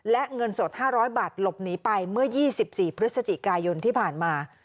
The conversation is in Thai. และเงินสดห้าร้อยบาทหลบหนีไปเมื่อยี่สิบสี่พฤศจิกายนที่ผ่านมา